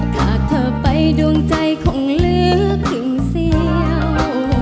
ถ้าเธอไปดวงใจคงลื้อครึ่งเสียว